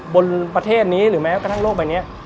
บนประเทศนี้หรือแม้กระทั่งโลกใบนี้